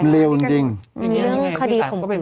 หื้อเรายังไงในเรื่องคดีฝุ่มขึ้น